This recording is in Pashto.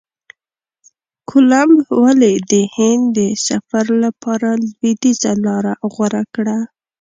کولمب ولي د هند د سفر لپاره لویدیځه لاره غوره کړه؟